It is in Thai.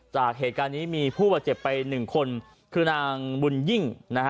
จากเหตุการณ์นี้มีผู้บาดเจ็บไปหนึ่งคนคือนางบุญยิ่งนะฮะ